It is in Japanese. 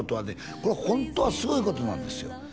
これホントはすごいことなんですよ